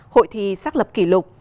hội thi xác lập kỷ lục